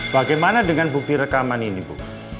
bagaimana dengan bukti rekaman ini bu